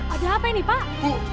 ada apa ini pak